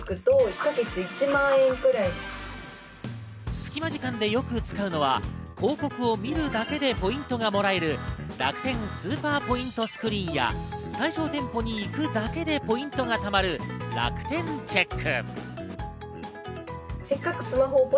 すきま時間でよく使うのは広告を見るだけでポイントがもらえる、楽天スーパーポイントスクリーンや、対象店舗に行くだけでポイントが貯まる、楽天チェック。